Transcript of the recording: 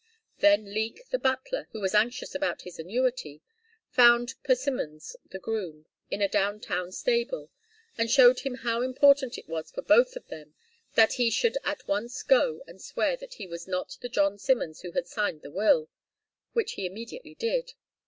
Then Leek, the butler, who was anxious about his annuity, found Persimmons, the groom, in a down town stable, and showed him how important it was for them both that he should at once go and swear that he was not the John Simons who had signed the will, which he immediately did.